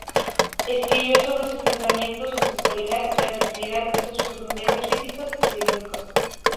Escribió sobre sus pensamientos, su sexualidad, la fertilidad, sus sufrimientos físicos y psíquicos.